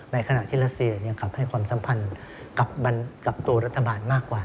ในขณะที่รัสเซียยังขับให้ความสัมพันธ์กับตัวรัฐบาลมากกว่า